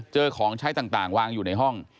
ของใช้ต่างวางอยู่ในห้อง